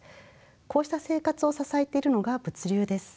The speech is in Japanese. こうした生活を支えているのが物流です。